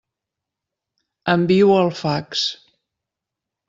Envio el fax.